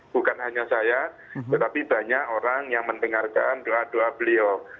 bukan hanya saya tetapi banyak orang yang mendengarkan doa doa beliau